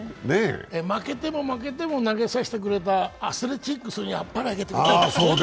負けても負けても投げさせてくれたアスレチックスにあっぱれをあげてください。